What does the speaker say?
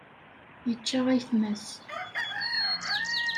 Yečča ayetma-s.